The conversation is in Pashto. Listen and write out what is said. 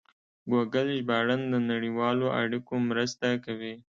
ګوګل ژباړن د نړیوالو اړیکو مرسته کوي.